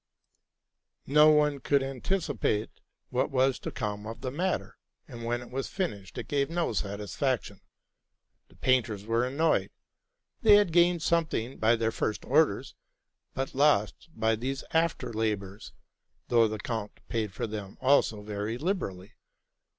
No one could anticipate what was to come of the matter, and when it was finished it gave no satisfaction. The painters were annoyed. They had gained something by their first orders, but lost by these after labors ; though the count paid for them also very liberally.